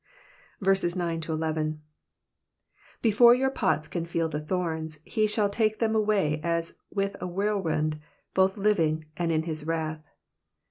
9 Before your pots can feel the thorns, he shall take them away as with a whirlwind, both living, and in his wrath.